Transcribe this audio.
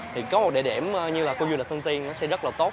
thì có một địa điểm như là khu du lịch sân tiên nó sẽ rất là tốt